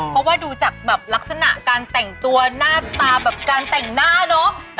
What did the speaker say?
เพราะว่าดูจากแบบลักษณะการแต่งตัวหน้าตาแบบการแต่งหน้าเนอะ